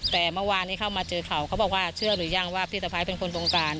แต่เมื่อวานนี้เข้ามาเจอเขาเขาบอกว่าเชื่อหรือยังว่าพี่สะพ้ายเป็นคนบงการ